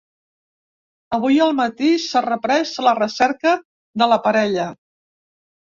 Avui al matí s’ha reprès la recerca de la parella.